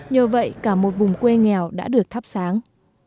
nhờ vậy cả một vùng quê nghèo đã được thắp sáng